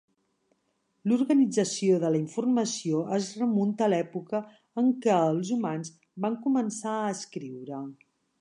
L'organització de la informació es remunta a l'època en què els humans van començar a escriure.